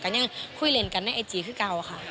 ยังคุยเล่นกันในไอจีคือเก่าค่ะ